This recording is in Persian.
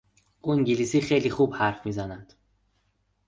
او انگلیسی خیلی خوب حرف میزند.